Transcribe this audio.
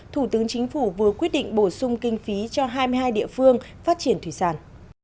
thủ tướng chính phủ vừa quyết định bổ sung kinh phí cho hai mươi hai địa phương phát triển thủy sản